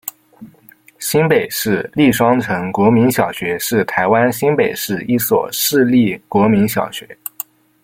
新北市立双城国民小学是台湾新北市一所市立国民小学。